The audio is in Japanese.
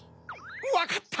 わかった！